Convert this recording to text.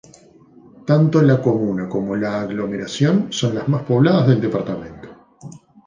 Tanto la comuna como la aglomeración son las más pobladas del departamento.